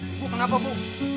ibu kenapa bu